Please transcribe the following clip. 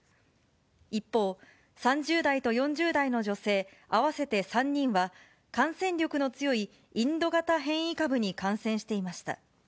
一方、３０代と４０代の女性合わせて３人は、感染力の強いインド型変異株に感染していました。